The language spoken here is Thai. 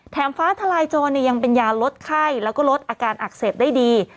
ฟ้าทลายโจรยังเป็นยาลดไข้แล้วก็ลดอาการอักเสบได้ดี